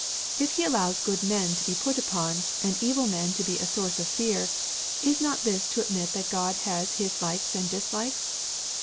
If He allows good men to be put upon, and evil men to be a source of fear, is not this to admit that God has His likes and dislikes